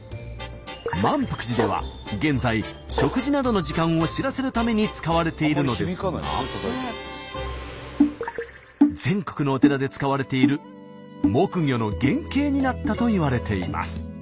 萬福寺では現在食事などの時間を知らせるために使われているのですが全国のお寺で使われている木魚の原型になったといわれています。